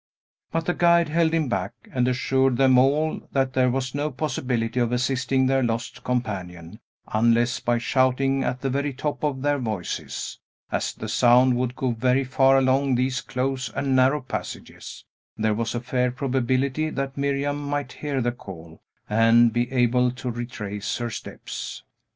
But the guide held him back, and assured them all that there was no possibility of assisting their lost companion, unless by shouting at the very top of their voices. As the sound would go very far along these close and narrow passages, there was a fair probability that Miriam might hear the call, and be able to retrace her steps.